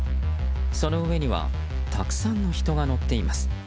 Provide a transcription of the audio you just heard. その上にはたくさんの人が乗っています。